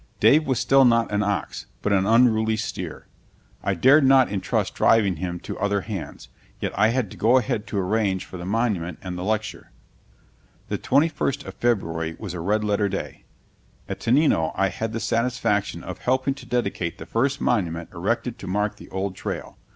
Dave was still not an ox, but an unruly steer. I dared not intrust driving him to other hands, yet I had to go ahead to arrange for the monument and the lecture. The twenty first of February was a red letter day. At Tenino I had the satisfaction of helping to dedicate the first monument erected to mark the old trail.